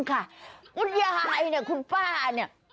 คุณยายน่ะคุณป้าน่ะ